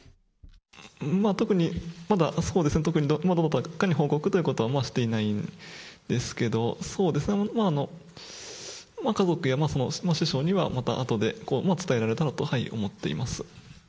まあ特にまだ、そうですね、まだどこかに報告ということはしていないんですけど、そうですね、家族や師匠には、またあとで伝えられたらと思っています。